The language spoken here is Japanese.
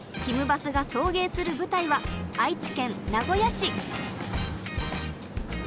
バスが送迎する舞台は愛知県名古屋市。